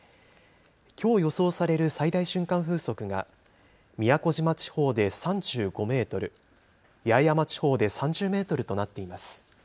きょう予想される最大瞬間風速が、宮古島地方で３５メートル、八重山地方で３０メートルとなっています。